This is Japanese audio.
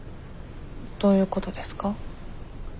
どういうことですか？